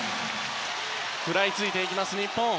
食らいついていきます日本。